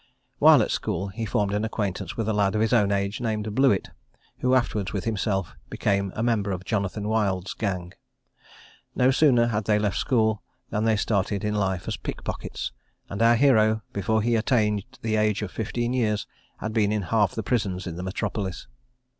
While at school, he formed an acquaintance with a lad of his own age, named Blewitt, who afterwards, with himself, became a member of Jonathan Wild's gang. No sooner had they left school, than they started in life as pickpockets; and our hero, before he attained the age of fifteen years, had been in half the prisons in the metropolis.